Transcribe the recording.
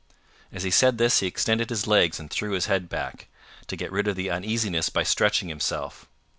As he said this, he extended his legs and threw his head back, to get rid of the uneasiness by stretching himself.